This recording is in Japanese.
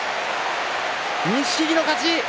錦木の勝ち。